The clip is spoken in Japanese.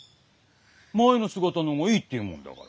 「前の姿のがいい」って言うもんだから。